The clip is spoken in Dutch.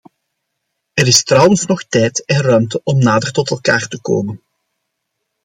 Er is trouwens nog tijd en ruimte om nader tot elkaar te komen.